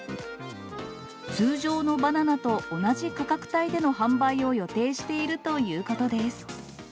通常のバナナと同じ価格帯での販売を予定しているということです。